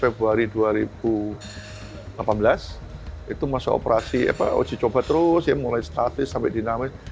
februari dua ribu delapan belas itu masa operasi uji coba terus ya mulai statis sampai dinamis